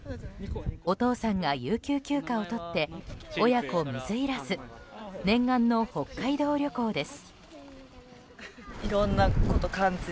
お父さんが有給休暇を取って親子水入らず念願の北海道旅行です。